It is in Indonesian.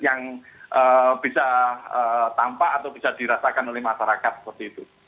yang bisa tampak atau bisa dirasakan oleh masyarakat seperti itu